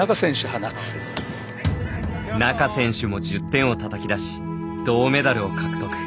仲選手も１０点をたたき出し銅メダルを獲得。